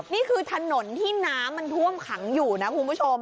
นี่คือถนนที่น้ำมันท่วมขังอยู่นะคุณผู้ชม